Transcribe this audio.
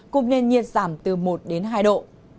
cùng nền nhiệt giảm từ một đến hai độ